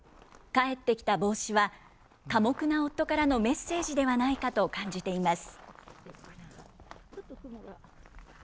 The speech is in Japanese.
帰ってきた帽子は、寡黙な夫からのメッセージではないかと感じています。